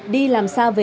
đi làm sao về